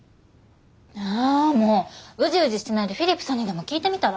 あもううじうじしてないでフィリップさんにでも聞いてみたら？